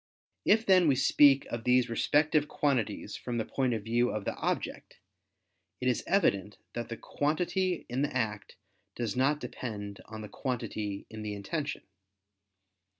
If then we speak of these respective quantities from the point of view of the object, it is evident that the quantity in the act does not depend on the quantity in the intention.